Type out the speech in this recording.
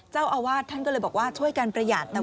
เจ้าอาวาสท่านก็เลยบอกว่าช่วยกันประหยัดนะ